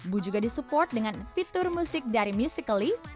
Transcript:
boo juga disupport dengan fitur musik dari musical ly